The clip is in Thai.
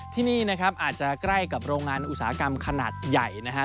ที่นี่นะครับอาจจะใกล้กับโรงงานอุตสาหกรรมขนาดใหญ่นะครับ